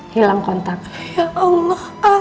si buruk rupa